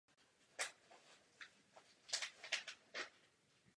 V tomto směru má nezpochybnitelnou odpovědnost.